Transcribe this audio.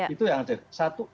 itu yang harus dikatakan